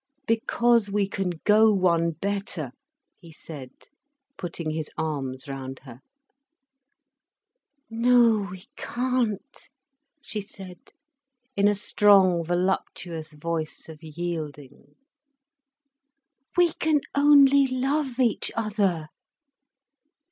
"Because we can go one better," he said, putting his arms round her. "No, we can't," she said, in a strong, voluptuous voice of yielding. "We can only love each other.